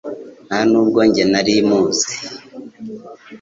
Ntanubwo njye nari muzi